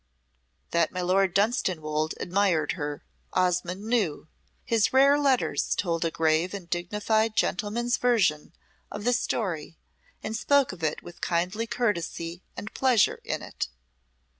That my Lord Dunstanwolde admired her, Osmonde knew. His rare letters told a grave and dignified gentleman's version of the story and spoke of it with kindly courtesy and pleasure in it.